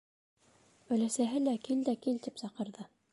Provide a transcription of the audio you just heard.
Өләсәһе лә, кил дә кил, тип саҡырҙы.